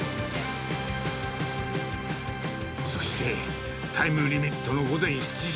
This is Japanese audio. そしてタイムリミットの午前７時。